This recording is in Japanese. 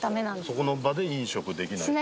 そこの場で飲食できないと。